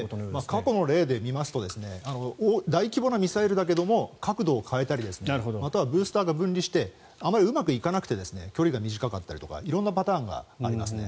過去の例で見ますと大規模なミサイルだけれども角度を変えたりまたはブースターが分離してあまりうまくいかなくて距離が短かったりとか色んなパターンがあります。